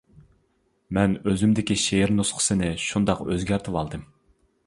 مەن ئۆزۈمدىكى شېئىر نۇسخىسىنى شۇنداق ئۆزگەرتىۋالدىم.